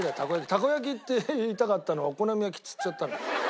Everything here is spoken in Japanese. たこ焼きって言いたかったのをお好み焼きって言っちゃったんだよ。